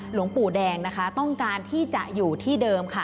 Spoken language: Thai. หลวงปู่แดงนะคะต้องการที่จะอยู่ที่เดิมค่ะ